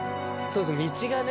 道がね